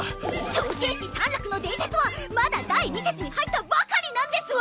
超戦士サンラクの伝説はまだ第２節に入ったばかりなんですわ！